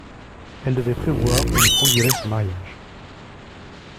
Elle devait prévoir où nous conduirait ce mariage.